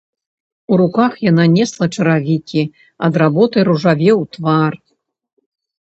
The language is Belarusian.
У руках яна несла чаравікі, ад работы ружавеў твар.